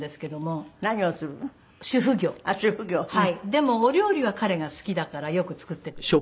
でもお料理は彼が好きだからよく作ってくれます。